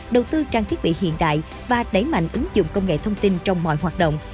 đầu tư trang thiết bị hiện đại và đẩy mạnh ứng dụng công nghệ thông tin trong mọi hoạt động